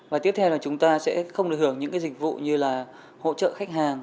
và tiếp theo là chúng ta sẽ không được hưởng những cái dịch vụ như là hỗ trợ khách hàng